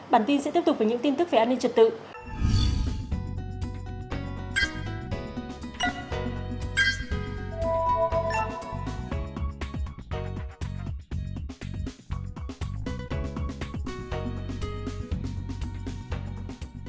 bản tin sẽ tiếp tục với những tin tức về an ninh trật tự